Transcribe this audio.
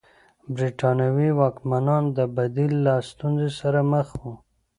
برېټانوي واکمنان د بدیل له ستونزې سره مخ وو.